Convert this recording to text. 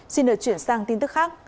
xin được chuyển sang tin tức khác